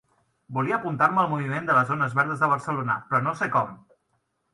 Volia apuntar-me al moviment de les zones verdes de Barcelona, però no sé com.